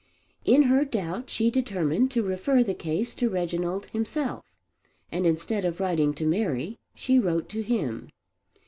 In her doubt she determined to refer the case to Reginald himself, and instead of writing to Mary she wrote to him.